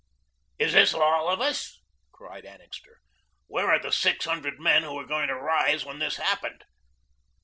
Is this all of us?" cried Annixter. "Where are the six hundred men who were going to rise when this happened?"